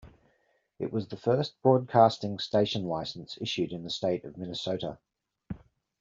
This was the first broadcasting station license issued in the state of Minnesota.